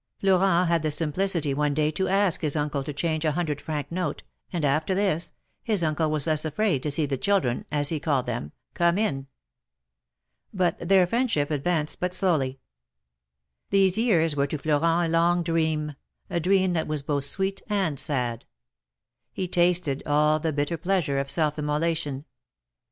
Florent had the simplicity one day to ask his uncle to change a hundred franc note, and after this, his uncle was less afraid to see the children, as he called them, come in. But their friendship advanced but slowly. These years were to Florent a long dream, a dream that was both sweet and sad. He tasted all the bitter pleasure of self immolation.